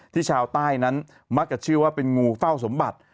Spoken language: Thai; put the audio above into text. ชาวใต้นั้นมักจะเชื่อว่าเป็นงูเฝ้าสมบัติ